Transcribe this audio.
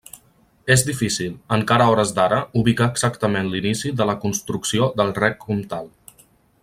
És difícil, encara a hores d'ara, ubicar exactament l’inici de la construcció del Rec Comtal.